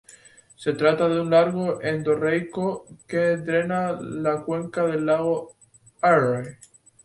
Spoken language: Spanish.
Se trata de un lago endorreico que drena la cuenca del lago Eyre.